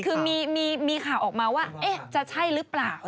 คือมีข่าวออกมาว่าจะใช่หรือเปล่า